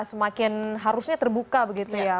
semakin harusnya terbuka begitu ya